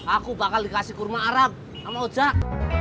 aku bakal dikasih kurma arab sama oja